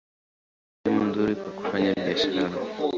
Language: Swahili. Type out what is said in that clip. Pia ni sehemu nzuri kwa kufanya biashara.